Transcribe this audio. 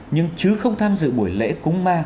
nhưng chứ không tham dự buổi lễ cúng ma